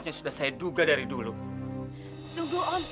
berapa juta orang pemuda betercer in